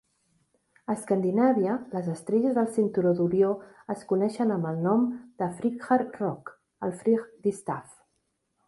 A Escandinàvia, les estrelles del cinturó d'Orió es coneixen amb el nom de "Friggjar rockr", el "Frigg distaff".